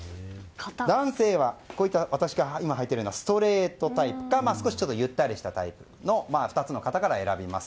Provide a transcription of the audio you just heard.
男性は私が今、はいているようなストレートタイプか少しゆったりしたタイプの２つの型から選びます。